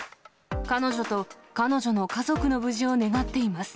彼女と彼女の家族の無事を願っています。